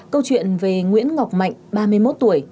câu chuyện về nguyễn ngọc mạnh ba mươi một tuổi